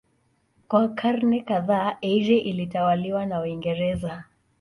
Kwa karne kadhaa Eire ilitawaliwa na Uingereza.